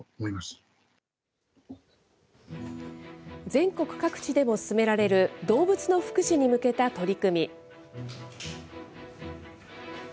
全国各地でも進められる動物の福祉に向けた取り組み。